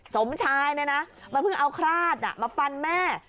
สมชายเนี่ยนะมันเพิ่งเอาคราดมาฟันแม่